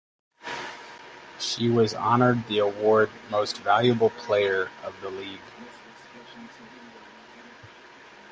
She was honored the award of "Most Valuable Player" of the league.